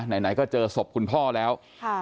ไหนก็เจอศพคุณพ่อแล้ว